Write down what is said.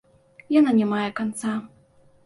Яна не мае канца.